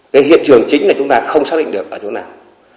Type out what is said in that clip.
cái hiện trường chính là chúng ta không xác định được ở chỗ nào